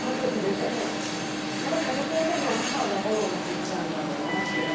まあだからそこを多分母がフォローしてきたんだろうなっていう